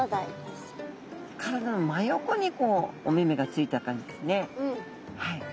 体の真横にお目目がついた感じですね。